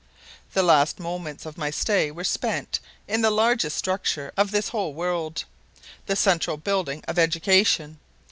The last moments of my stay were spent in the largest structure of this whole world, the central building of education.